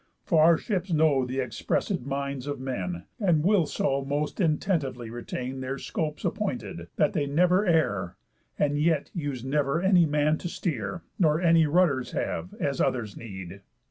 For our ships know th' expressed minds of men, And will so most intentively retain Their scopes appointed, that they never err, And yet use never any man to steer, Nor any rudders have, as others need.